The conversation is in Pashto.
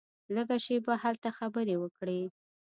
لږه شېبه هلته خبرې وکړې.